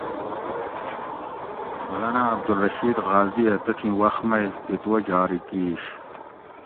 مولانا عبدالرشید غازی اۤ تتھیں وخ مئ فتوہ جاری کِیش